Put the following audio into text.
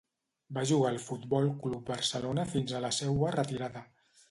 Va jugar al Futbol Club Barcelona fins a la seua retirada.